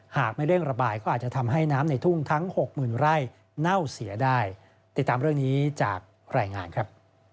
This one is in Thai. หากไม่เร่งระบายก็อาจจะทำให้น้ำในทุ่งทั้งหกหมื่นไร่เน่าเสียได้ติดตามเรื่องนี้จากรายงานครับ